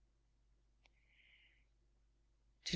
'To DR.